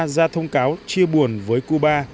ra thông cáo chia buồn với cuba